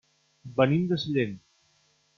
Venim de Sellent.